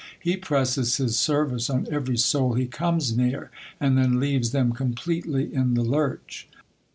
He presses his service on every soul he comes near, and then leaves them completely in the lurch.